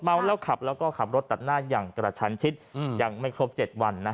เมาแล้วขับแล้วก็ขับรถตัดหน้าอย่างกระชันชิดยังไม่ครบ๗วัน